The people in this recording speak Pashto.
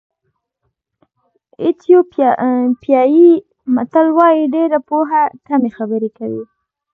ایتیوپیایي متل وایي ډېره پوهه کمې خبرې کوي.